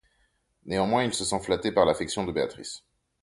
Néanmoins il se sent flatté par l'affection de Béatrice.